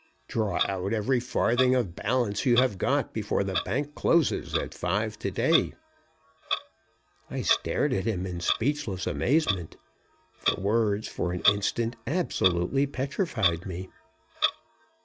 "Draw out every farthing of balance you have got before the bank closes at five to day." I stared at him in speechless amazement. The words, for an instant, absolutely petrified me.